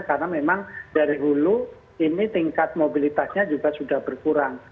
karena memang dari hulu ini tingkat mobilitasnya juga sudah berkurang